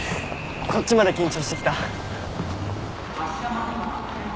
こっちまで緊張してきた。